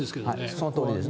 そのとおりです。